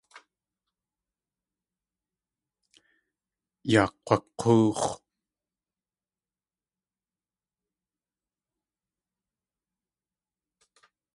Yaa kg̲wak̲óox̲.